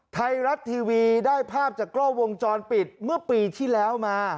ไทยรัฐทีวีได้ภาพจากกล้อวงจรปิดเมื่อปีที่แล้วมา